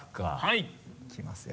いきますよ。